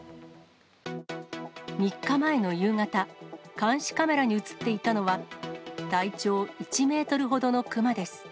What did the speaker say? ３日前の夕方、監視カメラに写っていたのは、体長１メートルほどのクマです。